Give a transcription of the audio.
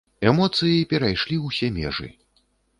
Эмоцыі перайшлі ўсе межы.